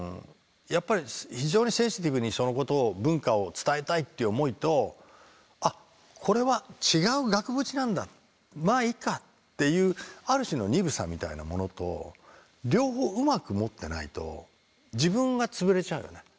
やっぱり非常にセンシティブにそのことを文化を伝えたいっていう思いとあっこれは違う額縁なんだまあいいかっていうある種の鈍さみたいなものと両方うまく持ってないと自分が潰れちゃうよね。